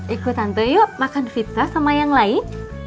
ikut tante yuk makan pizza sama yang lain